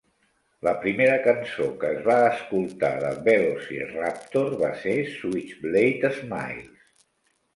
La primera cançó que es va escoltar de Velociraptor, va ser "Switchblade Smiles".